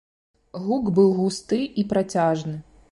Гук быў густы і працяжны.